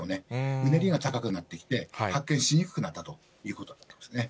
うねりが高くなってきて、発見しにくくなったということですね。